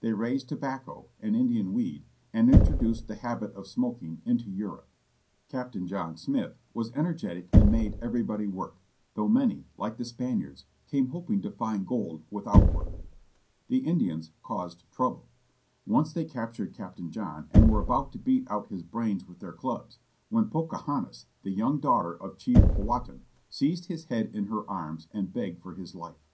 They raised tobacco â an Indian weed 1 â and introduced the habit of smoking ^^^^_ [into Europe. DOMINIQUE DE GOURGUES ATTACKING THE SPANIARDS 8 POCAHONTAS AND CAPTAIN JOHN SMITH, 1607 Captain John Smith was energetic and made everybody work, though many, like the Spaniards, came hoping to find gold without work. The Indians caused trouble. Once they captured Captain John and were about to beat out his brains with their clubs, when Pocahontas, the young daughter of Chief Powhattan, seized his head in her arms, and begged for his life.